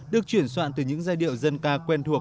được chuyển soạn từ những giai điệu dân ca quen thuộc